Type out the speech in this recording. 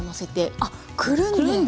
あっくるんで。